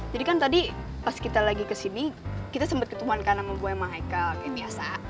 jadi kan tadi pas kita lagi ke sini kita sempet ketemu kan sama boy michael kayak biasa